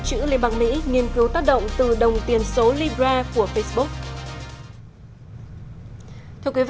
chữ liên bang mỹ nghiên cứu tác động từ đồng tiền số libra của facebook